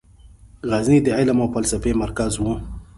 غزني د علم او فلسفې مرکز و.